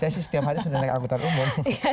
saya sih setiap hari sudah naik angkutan umum